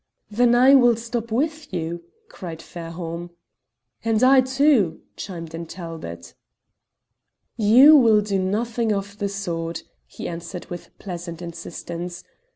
"Then I will stop with you," cried Fairholme. "And I too," chimed in Talbot. "You will do nothing of the sort," he answered with pleasant insistence.